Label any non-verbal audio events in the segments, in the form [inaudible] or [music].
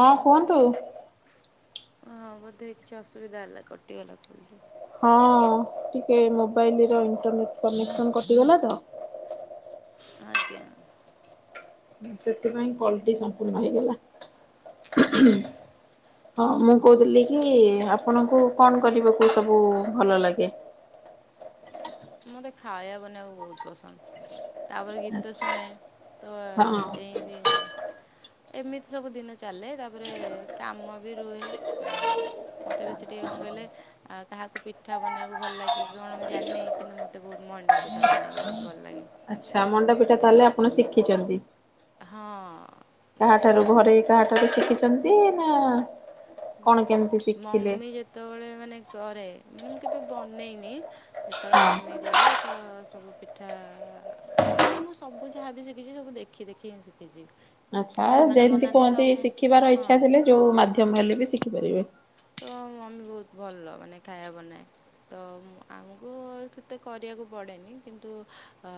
ହଁ କୁହନ୍ତୁ? ହଁ ବୋଧେ କିଛି ଅସୁବିଧା ହେଲା କଟିଗଲା ବୋଧେ। ହଁ ଟିକେ ମୋବାଇଲର ଇଣ୍ଟରନେଟ୍ କନେକ୍ସନ କଟିଗଲା ତ ଆଜ୍ଞା। ସେଥିପାଇଁ କଲଟି ସମ୍ପୂର୍ଣ୍ଣ ହେଇଗଲା। ହଁ ମୁଁ କହୁଥିଲି କି ଆପଣଙ୍କୁ କଣ କରିବାକୁ ସବୁ ଭଲ ଲାଗେ? ମୋତେ ଖାଇବା ବନେଇବାକୁ ବହୁତ ପସନ୍ଦ ତାପରେ ଗୀତ ଶୁଣେ ତ ହଁ ଏନ୍ତି ଏମିତି ସବୁ ଦିନ ଚାଲେ ତାପରେ କାମ ବି ରୁହେ। ମୋତେ ବେଶୀ ଟିକି କଣ କହିଲେ ଆ କାହାକୁ ପିଠା ବନେଇବାକୁ ଭଲ ଲାଗେ କଣ ମୁଁ ଜାଣିନି? କିନ୍ତୁ ମୋତେ ବହୁତ ମଣ୍ଡା ପିଠା ବନେଇବାକୁ ବହୁତ ଭଲ ଲାଗେ। ଆଚ୍ଛା ମଣ୍ଡାପିଠା ମାନେ ତାହେଲେ ଆପଣ ଶିଖିଛନ୍ତି? ହଁ ତ କାହାଠାରୁ ଘରେ କାହାଠାରୁ ଶିଖିଛନ୍ତି ନା? କଣ କେମିତି ଶିଖିଲେ? ସେତେବେଳେ ମାନେ କରେ ମାନେ ମୁଁ କେବେ ବନେଇନି ଯେତେବେଳେ ହଁ। ମମି କରେ। ତ ସବୁ ପିଠା। ମାନେ ମୁଁ ସବୁ ଯାହାବି ଶିଖିଛି ସବୁ ଦେଖି ଦେଖିକି ହିଁ ଶିଖିଛି। ଆଚ୍ଛା ସେମାନେ ଯେମିତି ବନାନ୍ତି ତ କୁହନ୍ତି ମୁଁ ଶିଖିବାର ହଁ ଇଚ୍ଛା ଥିଲେ ଯୋଉ ମାଧ୍ୟମ ହେଲେ ବି ଶିଖିପାରିବେ। ତ ମମି ବହୁତ ଭଲ ମାନେ ଖାଇବା ବନାଏ। ତ ଆମକୁ ସେତେ କରିବାକୁ ପଡ଼େନି କିନ୍ତୁ ଆ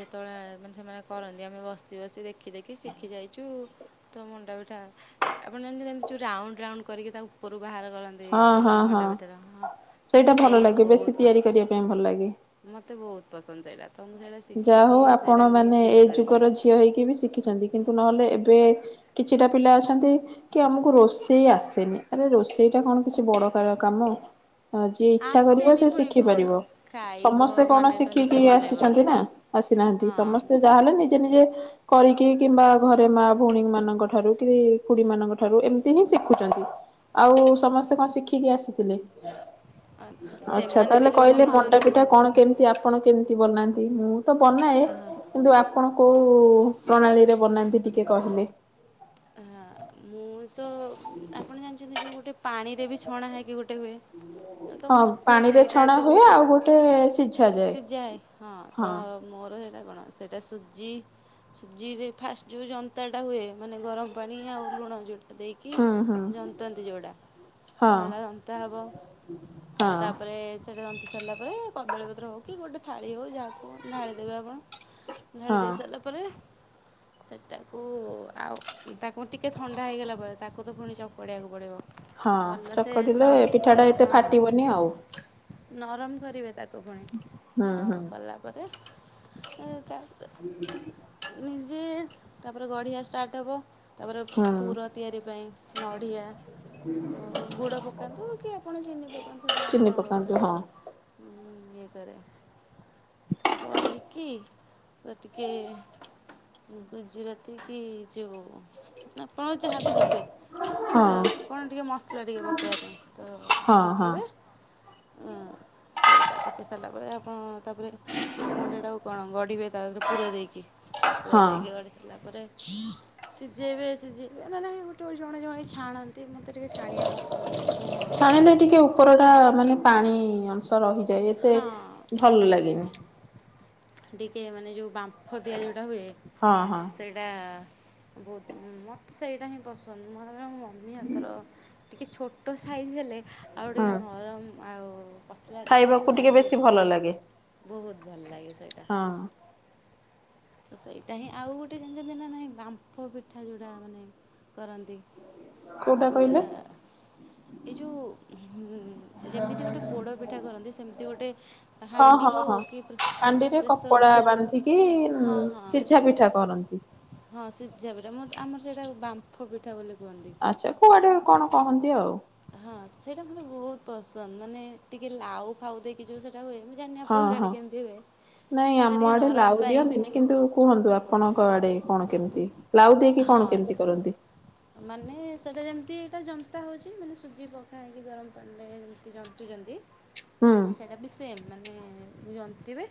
ଯେତୋଳେ ମାନେ ସେମାନେ କରନ୍ତି ଆମେ ବସି ବସି ଦେଖି ଦେଖି ଶିଖି ଯାଇଚୁ। ତ ମଣ୍ଡାପିଠା ଆପଣ ଜାଣିଚ ଜା ଯୋଉ ରାଉଣ୍ଡ୍ ରାଉଣ୍ଡ୍ କରିକି ତା ଉପରୁ ବାହାର କର ରେ ହଁ ହଁ ମାନେ ହଁ ମଣ୍ଡାପିଠର ହଁ ମତେ ଭଲ ସେଇଟା ଲାଗେ ବେଶୀ ବହୁତ ପସ ତିଆରି କରିବା ପାଇଁ ଭଲ ଲାଗେ। ମତେ ବହୁତ ପସନ୍ଦ ସେଇଟା ତ ମୁଁ ସେଟା ଶିଖିକି ସେଟା ନିଜେ ହିଁ କରିଚି। ହିଅ ହେଇକି ବି ଶିଖିଚନ୍ତି କିନ୍ତୁ ନହେଲେ ଏବେ କିଛିଟା ପିଲା ଅଛନ୍ତି କି ଆମୁକୁ ରୋଷେଇ ଆସେନି ଆରେ ରୋଷେଇଟା କଣ କିଛି ବଡ଼ କାର କାମ? ହଁ ଯିଏ ଇଚ୍ଛା କରିବ ଆସେନି ସିଏ ପୁଣି ଶିଖି କ'ଣ ପାରିବ ଖାଇବ ସମସ୍ତେ କଣ ମାନେ ତ ନିଜେ ଶିଖିକି ବନେଇବ ଆସିଛ ନ୍ତି ନା ଆସିନାହାନ୍ତି ହଁ ସମସ୍ତେ ଯା ହେଲେ ନିଜେ ନିଜେ କରିକି କିମ୍ବା ଘରେ ମା ଭଉଣୀମାନଙ୍କ ଠାରୁ କି ଖୁଡ଼ିମାନଙ୍କ ଠାରୁ ଏମିତି ହିଁ ଶିଖୁଚନ୍ତି। ଆଉ ସମସ୍ତେ କଁ ଶିଖିକି ଆସିଥିଲେ? ଆଚ୍ଛା ସେମାନେ ବି ତାହେଲେ ଯେଉଁ କହିଲେ ବନଉଛନ୍ତି ସେ ମଣ୍ଡାପିଠା କଣ କେମତି ଆ ପଣ କେମତି ବନାନ୍ତି? ମୁଁ ତ ବନାଏ। କିନ୍ତୁ ଆପଣ କୋଉ ପ୍ରଣାଳୀରେ ବନାନ୍ତି ଟିକେ କହିଲେ। ଆଃ ମୁଁ ତ ଆପଣ ଜାଣିଚନ୍ତି ଯୋଉ ଗୋଟେ ପାଣିରେ ବି ଛଣା ହେଇକି ଗୋଟେ ହୁଏ। ତ ହଁ ମତେ ପାଣିରେ ସେଇଟା ଛଣା ଏତେ ହୁଏ ଆଉ ଗୋଟେ ସିଝାଯାଏ ସିଜାହେ ହଁ ତ ମୋର ହେଟା କଣ ସେଟା ସୁଜି ସୁଜିରେ ଫାଷ୍ଟ ଯୋଉ ଜନ୍ତାଟା ହୁଏ ମା ନେ ଗରମ ପାଣି ଆଉ ଲୁଣ ଯୋଉଟା ଦେଇକି ହୁଁ ହୁଁ ଜନ୍ତନ୍ତି ଯୋଉଡ଼ା। ତ ହଁ ହେଡ଼ା ଜନ୍ତା ହବ ହଁ ତ ତାପରେ ସେଟା ଜନ୍ତି ସାରଲା ପରେ କଦଳୀ ପତ୍ର ହଉ କି ଗୋଟେ ଥାଳି ହଉ ଯାହାକୁ ଢ଼ାଳି ଦେବେ ଆପଣ। ହଁ। ଢ଼ାଳି ଦେଇ ସାରିଲା ପରେ ସେଟାକୁ ଆଉ ତାକୁ ଟିକେ ଥଣ୍ଡା ହେଇଗଲା ପରେ ତାକୁ ତ ପୁଣି ଚକଡ଼ିଆକୁ ପଡ଼ିବ। ହଁ ଭଲସେ ଚକଟିଲେ ସଫ୍ଟ ପିଠାଟା କରାଜି ଏତେ ହଁ। ଫାଟିବନି ଆଉ ନରମ କରିବେ ତାକୁ ପୁଣି ହୁଁ ତ ହୁଁ। କଲା ପରେ ଏ ତା ଆମେ ଯୋଉଠି ନିଜେ ତାପରେ ଗଢ଼ିଆ ଷ୍ଟାର୍ଟ ହବ। ତାପରେ ହୁଁ ପୁର ତିଆରି ପାଇଁ ନଡ଼ିଆ ତ ଗୁଡ଼ ପକାନ୍ତୁ କି ଆପଣ ଚିନି ପକାନ୍ତୁ ସେଟା ଚିନି ଆପଣଙ୍କ ପକାନ୍ତୁ ହଁ ଓପରେ। ଉଁ ଇଏ କରେ କରି କିି ତ ଟିକେ ଗୁଜୁରାତି କି ଯୋଉ ଆପଣ ଯାହା ବି ଦେବେ ହଁ ଏ କଣ ଟିକେ ମସଲା ଟିକେ ପକେଇବା ପାଇଁ ତ ହଁ ହଁ। ପକାଇବେ ଅ ସେଇଟା ପକେଇ ସାରିଲା ପରେ ଆପଣ ତାପରେ ମଣ୍ଡାଟାକୁ କଣ ଗଢି଼ବେ ତାରେ ପୁର ଦେଇକି ହଁ ପୁର ଦେଇକି ଗଢ଼ି ସାରିଲା ପରେ [inaudible] ସିଜେଇବେ ସିଜେଇବେ ନାଁ ନାହିଁ ଗୋଟେ ଓ ଜଣେ ଜଣେ ଛାଣନ୍ତି ମତେ ଟିକେ ଛାଣିବା ପସନ୍ଦ ନୁହଁ। ହେଲେ ଟିକେ ଉପରଟା ମାନେ ପାଣି ଅଂଶ ରହିଯାଏ ଏତେ ହଁ ଭଲ ଲାଗେନି। ଟିକେ ମାନେ ଯୋଉ ବାମ୍ଫ ଦିଆ ଯୋଉଟା ହୁଏ ହଁ ହଁ। ଏଟା ବହୁତ ମତେ ସେଇଟା ହିଁ ପସନ୍ଦ ମୁଁ ହାବେ ମୋ ମମି ହାତର ଟିକେ ଛୋଟ ସାଇଜ୍ ହେଲେ ଆଉ ଟିକେ ହଁ ନରମ ଆଉ ପ ଖାଇବାକୁ ଟିକେ ବେଶୀ ଭଲ ଲାଗେ। ବହୁତ ଭଲ ଲାଗେ ସେଇଟା। ହଁ ତ ସେଇଟା ହିଁ ଆଉ ଗୋଟେ ଜାଣିଚନ୍ତି ନା ନାହିଁ ବାମ୍ଫ ପିଠା ଯୋଉଟା ମାନେ କରନ୍ତି? କୋଉଟା ଯୋଉଟା କହିଲେ ଏଇ ଯୋଉ ହୁଁ ଯେମିତି ଗୋଟେ ପୋଡ଼ପିଠା କରନ୍ତି ସେମିତି ଗୋଟେ ହଁ ହାଣ୍ଡି ହଁ ହଉ ହଁ କି ହାଣ୍ଡିରେ ପ୍ରେସର୍ କପଡ଼ା କୁକର୍ ବାନ୍ଧିକି ଉମ ହଁ ହଁ ଶି ସିଝା ପିଠା କରନ୍ତି। ହଁ ସିଝା ପିଠା ମ ଆମର ସେଇଟା ବାମ୍ଫ ପିଠା ବୋଲି କୁହନ୍ତି। ଆଚ୍ଛା କୁଆଡେ କଣ କହନ୍ତି ଆଉ। ହଁ ସେଇଟା ମୋତେ ବହୁତ ପସନ୍ଦ ମାନେ ଟିକେ ଲାଉ ଫାଉ ଦେଇକି ଯଉ ସେଇଟା ହୁଏ। ଜାଣିନି ହଁ ଆପଣଙ୍କ ଆଡେ ହଁ। କେମିତି ହୁଏ ନାଇଁ ସେଇଟା ଆମ ଟିକେ ଆଡେ ଲାଉ ନରମ ପାଇଁ ଦିଅନ୍ତିନି କିନ୍ତୁ କୁହନ୍ତୁ ଆପଣଙ୍କ ଆଡେ କଣ କେମିତି ଲାଉ ଦେଇକି ହଁ କଣ କେମିତି କରନ୍ତି? ମାନେ ସେଟା ଯେମିତି ଏଟା ଯନ୍ତା ହଉଚି ମାନେ ସୁଜି ପକା ହେଇକି ଗରମ ପାଣିରେ ଯେମିତି ଜ ଚନ୍ତି ହୁଁ ସେଇଟା ବି ସେମ୍ ମାନେ ଜନ୍ତିବେ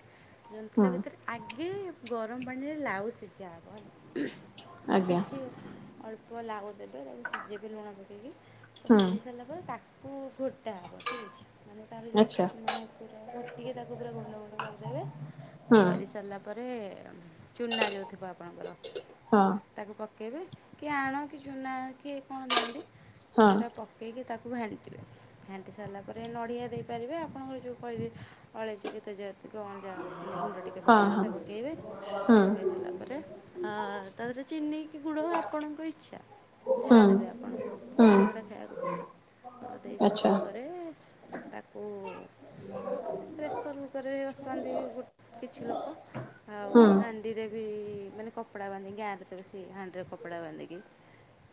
ହୁଁ ଜନ୍ତିଲା ଭିତରେ ଆଗେ ଗରମ ପାଣିରେ ଲାଉ ସିଝା ହବ ହେଲା। ଆଜ୍ଞା କିଛି ଅଳ୍ପ ଲାଉ ଦେବେ ତାକୁ ସିଝେଇବେ ଲୁଣ ପକେଇକି ତ ହୁଁ ସିଝି ସାରିଲା ତାକୁ ଫୁଟା ହବ ଠିକ୍ ଅଛି। ମାନେ ତାର ଯଉ ଆଚ୍ଛା ମାନେ ପୁରା ଘୋଟିକି ତାକୁ ପୁରା ଗୁଣ୍ଡ ଗୁଣ୍ଡ କରିଦେବେ ହୁଁ କରି ସାରିଲା ପରେ ଚୁନା ଯଉ ଥିବ ଆପଣଙ୍କର ହଁ। ତାକୁ ପକେଇବେ କି ଆଣ କି ଚୁନା କିଏ କଣ ଦିଅନ୍ତି ତ ହଁ ସେଇଟା ପ ପକେଇକି ତାକୁ ଘାଣ୍ଟିବେ। ଘାଣ୍ଟି ସାରିଲା ପରେ ନଡିଆ ଦେଇପାରିବେ ଆପଣଙ୍କର ଯୁ କହିଲି ଅଳେଇଚ କି ତେଜରାତି କି ଅଦା ମାନେ ଗୁଣ୍ଡ ଟିକେ ହଁ ପକେଇବା ହଁ କଥା ପକାଇବେ ହଁ ପକାଇ ସାରିଲା ପରେ ଆ ତାଧିରେ ଚିିନିକି ଗୁଡ ଆପଣଙ୍କ ଇଚ୍ଛା। ହୁଁ ଯାହା ଦେବେ ଆପଣ ହୁଁ ଯାହାକୁ ଯଉଟା ଖାଇବାକୁ ପସନ୍ଦ। ତ ଦେଇ ସାରିଲା ଆଚ୍ଛା ପରେ ତାକୁ ପ୍ରେସର କୁକରରେ ବସାନ୍ତି ଗୁ କିଛି ଲୋକ। ଆଉ ହୁଁ। ହାଣ୍ଡିରେ ବି ମାନେ କପଡା ବାନ୍ଧିକି ଗାଁରେତ ବେସି ହାଣ୍ଡିରେ କପଡା ବାନ୍ଧିକି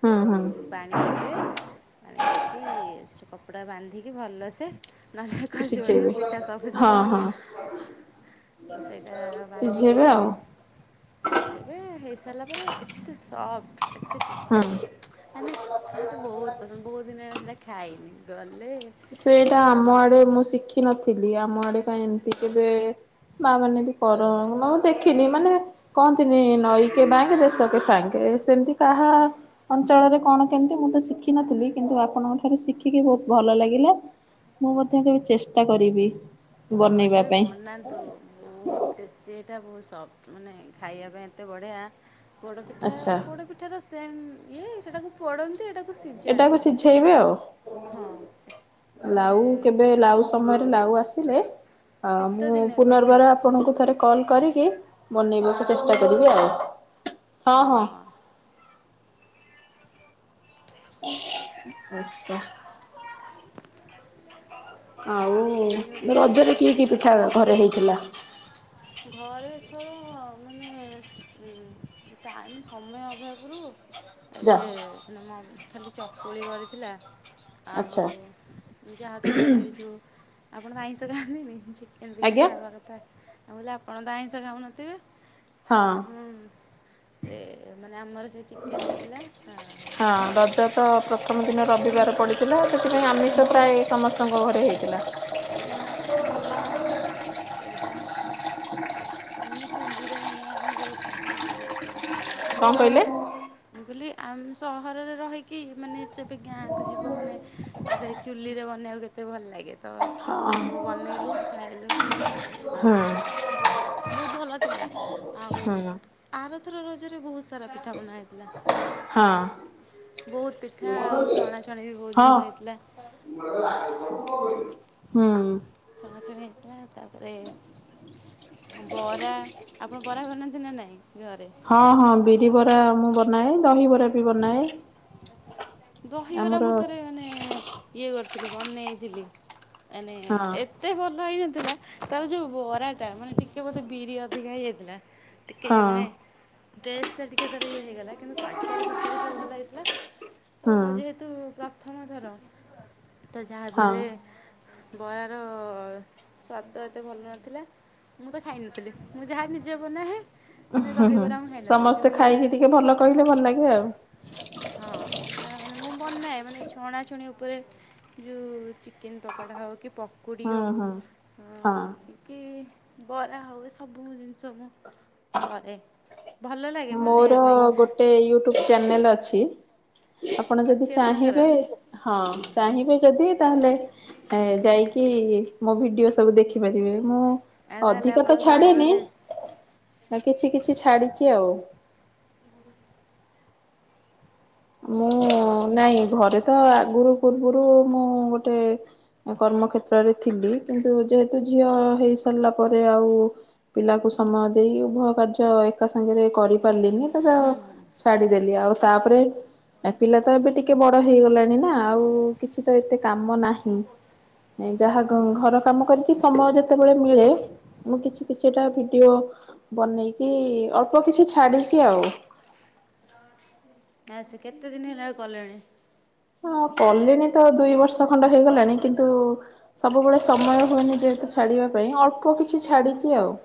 ହୁଁ ହୁଁ ପାଣି ଦେବେ। ପାଣି ଦେଇକି ସେଠି କପଡ଼ା ବାନ୍ଧିକି ଭଲସେ ନହେଲେ ଖସି ପଡିବ ସିଝେଇବେ ପିଠା ସବୁ ହଁ ଯିବ। ହଁ ତ ସେଇଟା ବାନ୍ଧିକି ସିଝେଇବେ ଆଉ ସିଝେଇବେ ହେଇ ଦେଲା ପରେ ଏତେ ସଫ୍ଟ ଏତେ ହୁଁ। ଟେଷ୍ଟ [unintelligible] ମତେ ବହୁତ ପସନ୍ଦ ବହୁତ ଦିନ ହେଲାଇଁ ସେଇଟା ଖାଇନି ଗଲେ ସେଇଟା ଘରେ ଆମ ଆଡେ ବନେଇକି ମୁଁ ଶିଖିିନଥିଲି ଆମ ଆଡେ କାଇଁ ଏମିତି କେବେ ମା ମାନେ ବି କର ମୁଁ ଦେଖିନି ମାନେ କହନ୍ତିନି ନଈକେ ବାଙ୍କେ ଦେଶକେ ଫାଙ୍କେ ସେମିତି କାହା ଅଞ୍ଚଳରେ କଣ କେମିତି ମୁଁ ତ ଶି ଶିଖିନଥିଲି କିନ୍ତୁ ଆପଣଙ୍କଠାରୁ ଶିଖିକି ବହୁତ ଭଲ ଲାଗିଲା। ମୁଁ ମଧ୍ୟ କେବେ ଚେଷ୍ଟା କରିବି। ହଁ ବନେଇବା କେବେ ପାଇଁ ବନା ତ ବହୁତୁ ଟେଷ୍ଟି ଏଇଟା ବହୁତ ସଫ୍ଟ ମାନେ ଖାଇବା ପାଇଁ ଏତେ ବଢିଆ ପୋଡପିଠା ଆଚ୍ଛା। ପୋଡ ପିଠାର ସେମ ଇଏ ସେଟାକୁ ପୋଡନ୍ତି ଏଇଟା କୁ ଏଟାକୁ ସିଜାନ୍ତି ସିଝେଇବେ ଆଉ। ହଁ ମାନେ ଲାଉ କେବେ ଲାଉ ସମୟରେ ଲାଉ ଆସିଲେ ଆ ଶୀତ ମୁଁ ଦିନେ ବୋଧେ ପୁନର୍ବାର ଆ ଆପଣଙ୍କୁ ଥରେ କଲ୍ କରିକି ବନେଇବାକୁ ଚେଷ୍ଟା କରିବି ଆଉ। ହଁ। [inaudible] ଏଇ ଆଉ ହେଉଛି ରଜରେ କିଏ କି ପିଠା ଘରେ ହେଇଥିଲା? [unintelligible] ଘରେ ତ ମାନେ ଉଁ ଟାଇମ୍ ସମୟ ଅଭାବରୁ ଯା ଏବେ ହେନା ମମ୍ ଖାଲି ଚକୁଳି କରିଥିଲା। ଆଉ ଆଚ୍ଛା। ଯାହାତ ଘରେ ଏଇ ଯୋଉ ଆପଣ ତ ଆଇଁଷ ଖାଆନ୍ତିନି ଚିକେନ ଫିକେନ୍ ଆଜ୍ଞା ଯାହା ଘରେ ଥାଏ। ଆଉ ହେଲେ ଆପଣ ତ ଆଇଁଷ ଖାଉନଥିବେ ହଁ। ଆପଣ ସେ ମାନେ ଆମର ସେ ଚିକେନ ହେଇଥିଲା ଆ ଆଉ ଘର୍ ସେଦିନ ରବିବାର ପଡିଥିଲା ସେଥିପାଇଁ ଆମିଷ ପ୍ରାୟ ସମସ୍ତଙ୍କ ଘରେ ହେଇଥିଲା। ସେଇଟା ଆ ମାନେ ଚୁଲିରେ ବନେଇବା ପାଇଁ ଯୋଉ ଗାଁରେ କେତେ ବେଳେ ଭଲ ଲାଗେ। କଣ କହିଲେ? ମୁଁ କହିଲି ଆମ୍ ସହରରେ ରହିକି ମାନେ ଯେବେ ଗାଁକୁ ଯିବ ମାନେ ଗୋଟେ ଚୁଲିରେ ବନେଇବାକୁ କେ ତେ ଭଲ ଲାଗେ ତ ହଁ ସେସବୁ ବନେଇଲୁ ଖାଇଲୁ ତ ହଁ ବୋହୁତ ଭଲ ଥିଲା। ଆଉ ହଁ ଆରଥର ରଜରେ ବୋହୁତ ସାରା ପିଠା ବନା ହେଇଥିଲା। ହଁ ବୋହୁତ ପିଠା ଆଉ ଛଣାଛଣି ବି ବୋହୁତ ହଁ ଜିନିଷ ହେଇଥିଲା। ହୁଁ। ଛଅ ମାସରେ ହେଇଥିଲା ତାପରେ ବରା ଆପଣ ବରା ବନାନ୍ତି ନା ନାଇଁ ଘରେ? ହଁ ହଁ ବିରି ବରା ମୁଁ ବନାଏ। ଦହିବରା ବି ବନାଏ। ଦହିବରା ଆମର ମୁଁ ଥରେ ମାନେ ଇଏ କରିଥିଲି ବନେଇଥିଲି ମାନେ ହଁ ଏ ତେ ଭଲ ହେଇନଥିଲା ତାର ଯୋଉ ବରାଟା ମାନେ ଟିକେ ବୋଧେ ବିରି ଅଧିକା ହେଇଯାଇଥିଲା। ଟିକେ ହଁ ଇଏ ମାନେ ଟେଷ୍ଟଟା ଟିକେ ତାର ଇଏ ହେଇଗଲା, କିନ୍ତୁ ତରକାରୀ ଫରକାରୀ ସବୁ ଭଲ ହେଇଥିଲା। ତ ହଁ ଯେହେତୁ ପ୍ରଥମ ଥର ତ ଯାହାବି ହଁ ହେଲେ ବରାର ସ୍ଵାଦ ଏତେ ଭଲ ନଥିଲା। ମୁଁ ତ ଖାଇ ନଥିଲି। ମୁଁ ଯାହା ନିଜେ ବନାଏ ଉଁ ମାନେ ହୁଁ ହୁଁ ଦହିବରା ମୁଁ ଖାଇନଥିଲି ସମସ୍ତେ କିନ୍ତୁ ଖାଇକି ଟିକେ ଭଲ କହିଲେ ଭଲ ଲାଗେ ଆଉ। ହଁ ସେଇଟା ମାନେ ମୁଁ ବନାଏ ମାନେ ଛଣା ଛୁଣି ଉପରେ ଯୋ ଚିକେନ ପକୋଡା ହୋଉ କି ପକୁଡି ହୁଁ ହୋଉ ହୁଁ। ହଁ କି ବରା ହୋଉ ସବୁ ଜିନିଷ ମୁଁ କରେ। ଭଲ ଲାଗେ ବନେଇବା ମୋର ପାଇଁ ଗୋଟେ ୟୁଟ୍ୟୁବ ଚ୍ୟାନେଲ ଅଛି। ଆପଣ ଅଛି ଯଦି ଆପଣଙ୍କର? ଚାହିଁବେ ହଁ ଚାହିଁବେ ଯଦି ତାହେଲେ ଏ ଯାଇକି ମୋ ଭିଡିଓ ସବୁ ଦେଖିପାରିବେ। ମୁଁ ଆଉ ତାହେଲେ ଅଧିକା ଆପଣ ତ ଘରେ ଛାଡିନି ବୋଧେ କିଛି କିଛି ଛାଡିଚି ଆଉ। ମୁଁ ହଁ ନାଇଁ ଘରେ ତ ଆଗରୁ ପୂର୍ବରୁ ମୁଁ ଗୋଟେ କର୍ମକ୍ଷେତ୍ରରେ ଥିଲି କିନ୍ତୁ ଯେହେତୁ ଝିଅ ହେଇସାରିଲା ପରେ ଆଉ ପିଲାକୁ ସମୟ ଦେଇ ଉଭୟ କାର୍ଯ୍ୟ ଏକା ସାଙ୍ଗରେ କରି ପାରିଲିନି ତ ଯୋ ଛାଡିଦେଲି ଆଉ ତାପରେ ଏ ପିଲାତ ଏବେ ଟିକେ ବଡ ହେଇଗଲାଣି ନା ଆଉ କିଛି ତ ଏତେ କାମ ନାହିଁ। ଯାହା ଘ-ଘର କାମ କରିକି ସମୟ ଯେତେବେଳେ ମିଳେ। ମୁଁ କିଛି କିଛିଟା ଭିଡିଓ ବନେଇକି ଅଳ୍ପ କିଛି ଛାଡଚି ଆଉ। ଆଚ୍ଛା କେତେ ଦିନ ହେଲା ଆଉ କଲେଣି? ହଁ କଲିଣି ତ ଦୁଇ ବର୍ଷ ଖଣ୍ଡ ହେଇଗଲାଣି କିନ୍ତୁ ସବୁବେଳେ ସମୟ ହୁଏନି ଦେହେତୁ ଛାଡିବା ପାଇଁ ଅଳ୍ପ କିଛି ଛାଡିଚି ଆଉ।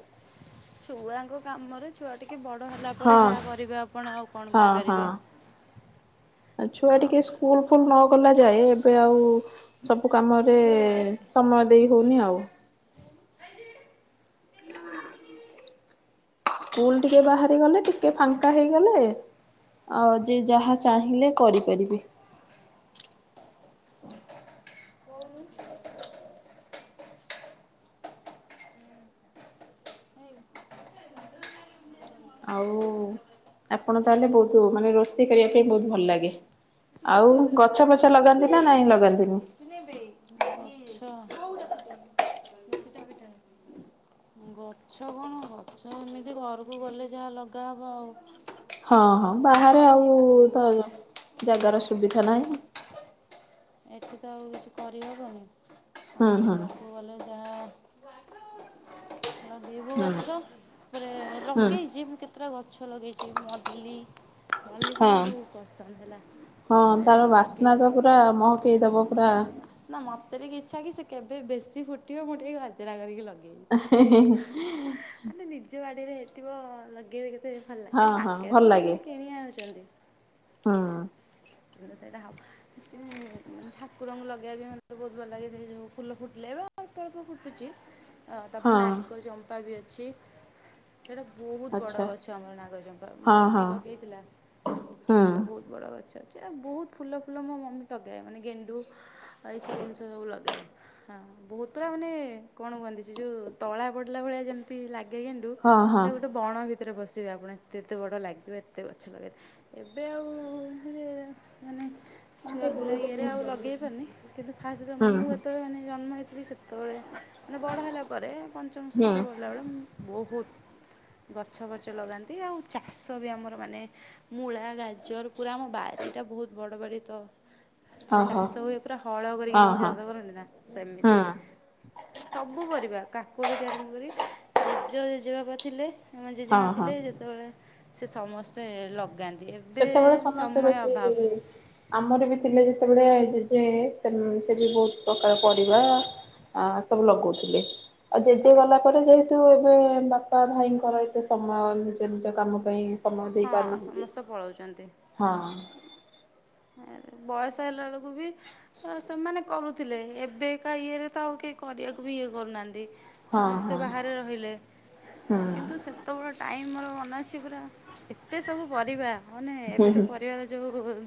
ଛୁଆଙ୍କ କାମରେ ଛୁଆ ଟିକେ ବଡ ହେଲା ପରେ ହଁ ଯାହା କରିବେ ଆପଣ ଆଉ କଣ କରିପାରିବେ? ଆ ଛୁଆ ଆଉ ଟିକେ ସ୍କୁଲ ଫୁଲ ନ ଗଲା ଯାଏ ଏବେ ଆଉ ସବୁ କାମରେ ତାପରେ ସମୟ ଦେଇ ହେଉନି ଆଉ। ହଁ ସ୍କୁଲ ଟିକେ ବାହାରି ଗଲେ ଟିକେ ଫାଙ୍କା ହେଇଗଲେ। ଆଉ ଯେ ଯାହା ଚାହିଁଲେ କରିପାରିବି। [inaudible] ଆଉ ଆପଣ ତାହେଲେ ବହୁତ ମାନେ ରୋଷେଇ କରିବା ପାଇଁ ବହୁତ ଭଲ ଲାଗେ। ଆଉ ଗଛ ଫଛ ଲଗାନ୍ତି ନା ନାଇଁ ଲଗାନ୍ତିନି। ଚିହ୍ନେବେ। ଅ ଛ। କୋଉଡ଼ା ଫିଟେଇବି? [unintelligible] ଗଛ କଣ ଗଛ ଏମିତି ଘରକୁ ଗଲେ ଯାହା ଲଗାହବ ଆଉ। [inaudible] ହଁ ଏଇଠେ ହଁ ଆଉ। ବାହାରେ [inaudible] ଇଏ ଆଉ କାଟି ତ ଦେଇଛି। ଜାଗାର ସୁବିଧା ନାହିଁ [inaudible] [inaudible] ଏଠି ତ [inaudible] ଆଉ କିଛି କରିହେବନି ହୁଁ ଆଉ ହୁଁ ଘରକୁ ଗଲେ ଯାହା ଦେବୁ ହୁଁ ଗଛ [unintelligible] ରେ ହୁଁ ଲଗେଇଛି। ମୁଁ କେତେଟା ଗଛ ଲଗେଇଛି ମଲ୍ଲି ମଲ୍ଲି ହଁ। ଫୁଲ ମତେ ବହୁତ ପସନ୍ଦ ହେଲା। ହଁ ତ ସେଇଟା ତାର ମୁଁ ବାସ୍ନା ତ ଲଗେଇଛି ପୁରା ମହକେଇ ଦବ ପୁରା ବାସ୍ନା ମୋତେ ଟିକେ ଇଚ୍ଛା କିି ସେ କେବେ ବେଶୀ ଫୁଟିବ ମୁଁ ଟିକେ ଗଜରା କରିକି ଲଗେଇବି। ହେ-ହେ-ହେ ଆରେ ନିଜ ବାଡ଼ିରେ ହେଇଥିବ ଲଗେଇବେ କେତେ ଭଲ ଲାଗିବ ହଁ ହଁ ମାର୍କେଟ୍ ତ ଏମିତି କିଣି ଆଣୁଛନ୍ତି। ହଁ [unintelligible] ସେଟା ହବ [unintelligible] ଠାକୁରଙ୍କୁ ଲଗେଇବାକୁ ମତେ ବହୁତ ଭଲ ଲାଗେ ସେ ଯୋଉ ଫୁଲ ଫୁଟିଲେ। [unintelligible] ଅଳ୍ପ ଅଳ୍ପ ଫୁଟୁଛି ଅ ତାପରେ ହଁ ନାଗଚମ୍ପା ବି ଅଛି। ସେଇଟା ବହୁତ ବଡ଼ ଆଚ୍ଛା। ଗଛ ଆମର ନାଗଚମ୍ପା ହଁ ମମି ହଁ ଲଗେଇଥିଲା ହୁଁ ସେଇଟା ବହୁତ ବଡ଼ ଗଛ ଅଛି ଆ ବହୁତ ଫୁଲ ଫୁଲ ମୋ ମମି ଲଗାଏ ମାନେ ଗେଣ୍ଡୁ ଆଉ ଏଇସବୁ ଜିନିଷ ସବୁ ଲଗାଏ। ହଁ ବହୁତୁରା ମାନେ କଣ କୁହନ୍ତି ସେ ଯୋଉ ତଳା ପଡ଼ିଲା ଭଳିଆ ଯେମିତି ଲାଗେ। [unintelligible] [unintelligible] ହଁ ହଁ ଗୋଟେ ବଣ ଭିତରେ ବସିବେ ଆପଣ ଏତେ ଏତେ ବଡ଼ ଲାଗିବେ ଏତେ ଗଛ ଲଗେଇ ଥିଲେ ଏବେ ଆଉ [unintelligible] ମାନେ ଛୁଆ ପିଲା ଇଏରେ ଆଉ ଲଗେଇ ପାରୁନି କିନ୍ତୁ ଫାଷ୍ଟରେ ହୁଁ ମୁଁ ହୁଁ ହୁଁ। ଯେତେବେଳେ ମାନେ ଜନ୍ମ ହେଥିଲି ସେ ସେତେବେଳେ ମାନେ ବଡ଼ ହେଲା ପରେ ପଞ୍ଚମ ଷଷ୍ଠ ପଢିଲା ବେଳେ ମ ବହୁତ ଗଛ ବଛ ଲଗାନ୍ତି ଆଉ ଚାଷ ବି ଆମର ମାନେ ମୂଳା ଗାଜର ପୁରା ଆମ ବାରିଟା ବହୁତ ବଡ଼ ବାଡ଼ି ତ ପୁରା ଓହୋ ଚାଷ ହୁଏ ପୁରା ହଳ କରିକି ହଁ ଯେମିତି ହଁ ଚାଷ କରନ୍ତି ନା ହୁଁ ସେମିତି। ସବୁ ପରିବା କାକୁଡ଼ିଟି ଆରମ୍ଭ କରି ଜେଜ ଜେଜେବାପା ଥିଲେ ଆମ ହଁ ଜେଜେମା ହଁ। ଥିଲେ ସେତେବେଳେ ସେ ସମସ୍ତେ ଲଗାନ୍ତି ଏବେ ସେତେବେଳେ ସମସ୍ତେ ସମୟ ବେଶୀ ଅଭାବ ଇ-ଇ ଆମର ବି ଥିଲେ ଯେତେବେଳେ ସେ ସେ ବି ବହୁତ ପ୍ରକାର ପରିବା ଆ ସବୁ ଲଗାଉଥିଲେ। ଆଉ ଜେଜେ ଗଲା ପରେ ଯେହେତୁ ଏବେ ବାପା ଭାଇଙ୍କର ଏତେ ସମୟ ନିଜ ନିଜ କାମ ପାଇଁ ସମୟ ଦେଇ ପାରୁନାହାନ୍ତି। ତ ପଳାଉଛନ୍ତି। ହଁ ଏ ବୟସ ହେଲା ବେଳକୁ ବି ତ ସେମାନେ କରୁଥିଲେ ଏବେକା ଇଏରେ ତ ଆଉ କେହି କରିବାକୁ ବି ଇଏ କରୁନାହାନ୍ତି। ହଁ ସମସ୍ତେ ହଁ ବାହାରେ ରହିଲେ ହୁଁ। କିନ୍ତୁ ସେ [inaudible] ଟାଇମ୍ ମୋର ମନେ ଅଛି ପୁରା ଏତେ ସବୁ ପରିବା ହଁ ମାନେ ଏବେ ତ ପରିବାର ଯୋଉ